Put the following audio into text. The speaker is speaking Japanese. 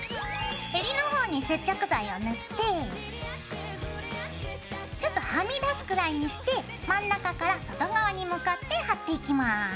えりの方に接着剤を塗ってちょっとはみ出すくらいにして真ん中から外側に向かって貼っていきます。